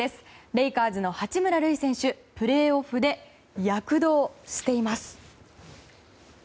レイカーズの八村塁選手プレーオフで躍動しています。